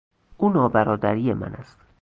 او نابرادری من است.